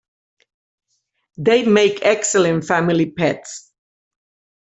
They make excellent family pets.